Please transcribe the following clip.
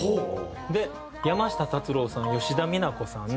で山下達郎さん吉田美奈子さん